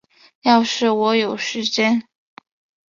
要是我有时间